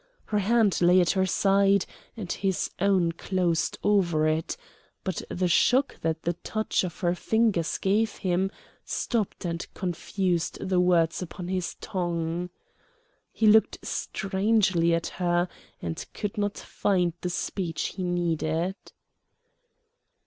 Her hand lay at her side, and his own closed over it, but the shock that the touch of her fingers gave him stopped and confused the words upon his tongue. He looked strangely at her, and could not find the speech he needed.